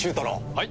はい。